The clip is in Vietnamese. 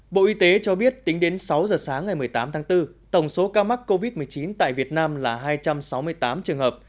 bộ y tế cho biết tính đến sáu giờ sáng ngày một mươi tám tháng bốn tổng số ca mắc covid một mươi chín tại việt nam là hai trăm sáu mươi tám trường hợp